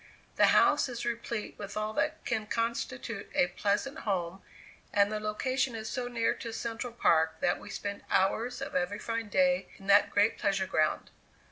The house is replete with all that can constitute a pleasant home, and the location is so near to Central Park that we spend hours of every fine day in that great pleasure ground.